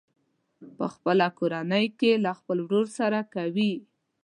په خپله کورنۍ کې له خپل ورور سره کوي.